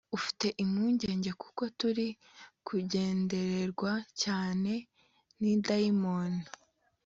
ufite impungenge kuko turi kugendererwa cyane n’idayimoni